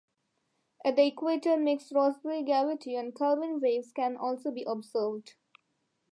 At the equator, mixed Rossby-gravity and Kelvin waves can also be observed.